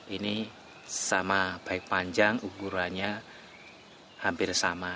ini sama baik panjang ukurannya hampir sama